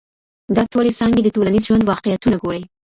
دا ټولي څانګي د ټولنیز ژوند واقعیتونه ګوري.